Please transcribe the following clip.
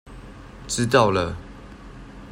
知道了